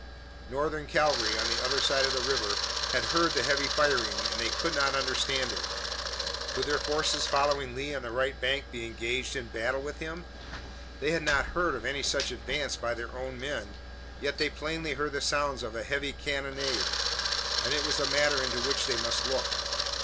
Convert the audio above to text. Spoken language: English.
Northern cavalry, on the other side of the river, had heard the heavy firing and they could not understand it. Could their forces following Lee on the right bank be engaged in battle with him? They had not heard of any such advance by their own men, yet they plainly heard the sounds of a heavy cannonade, and it was a matter into which they must look.